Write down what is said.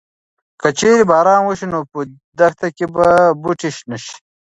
که چېرې باران وشي نو په دښته کې به بوټي شنه شي.